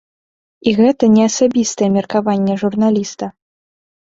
І гэта не асабістае меркаванне журналіста.